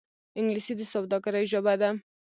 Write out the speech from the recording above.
انګلیسي د سوداګرۍ ژبه ده